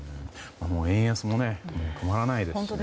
円安が止まらないですしね